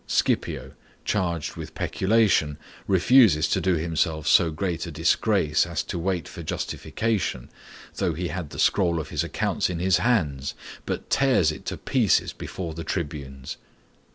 Scipio, charged with peculation, refuses to do himself so great a disgrace as to wait for justification, though he had the scroll of his accounts in his hands, but tears it to pieces before the tribunes.